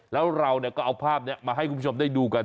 แล้วเราก็เอาภาพนี้มาให้คุณผู้ชมได้ดูกัน